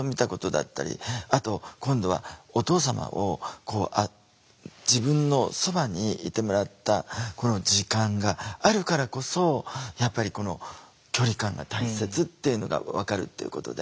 あと今度はお父様を自分のそばにいてもらったこの時間があるからこそやっぱりこの距離感が大切っていうのが分かるっていうことで。